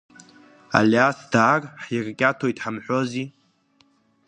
Алиас даар ҳиркьаҭоит ҳамҳәози.